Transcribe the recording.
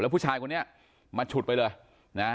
แล้วผู้ชายคนนี้มาฉุดไปเลยนะฮะ